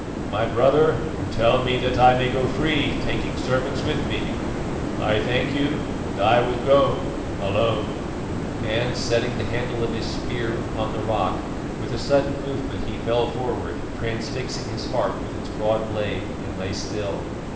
My brother, you tell me that I may go free, taking servants with me. I thank you and I will go alone." And setting the handle of his spear upon the rock, with a sudden movement he fell forward, transfixing his heart with its broad blade, and lay still.